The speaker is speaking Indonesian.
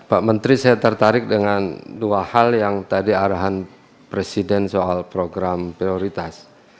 pak menteri saya tertarik dengan dua hal yang tadi arahan presiden soal program prioritas